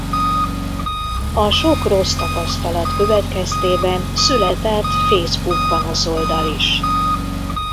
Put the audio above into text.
A sok rossz tapasztalat következtében született Facebook-panaszoldal is.